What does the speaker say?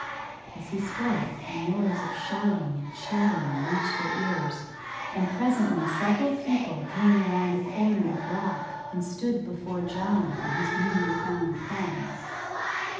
As he spoke a noise of shouting and chattering reached their ears, and presently several people came around a corner of rock and stood before John and his newly found friends.